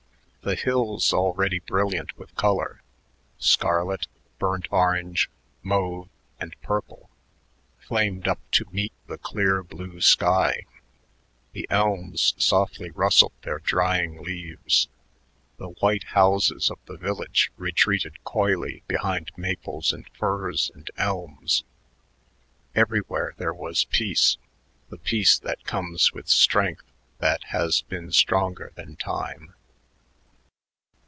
The hills already brilliant with color scarlet, burnt orange, mauve, and purple flamed up to meet the clear blue sky; the elms softly rustled their drying leaves; the white houses of the village retreated coyly behind maples and firs and elms: everywhere there was peace, the peace that comes with strength that has been stronger than time.